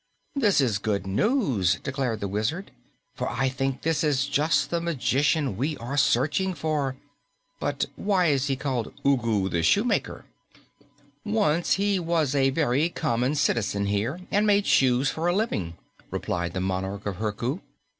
"This is good news," declared the Wizard, "for I think this is just the magician we are searching for. But why is he called Ugu the Shoemaker?" "Once he was a very common citizen here and made shoes for a living," replied the monarch of Herku.